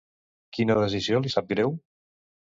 Quina decisió li sap greu?